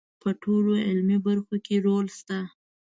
په ټولو علمي برخو کې یې رول شته.